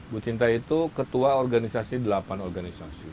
bu cinta itu ketua organisasi delapan organisasi